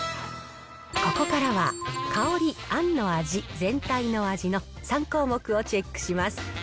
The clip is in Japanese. ここからは香り、あんの味、全体の味の３項目をチェックします。